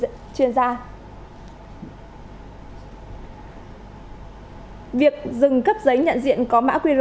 việc dừng cấp giấy nhận diện có mã qr sẽ áp dụng cho phương tiện vận tải hàng hóa xe trận công nhân chuyên gia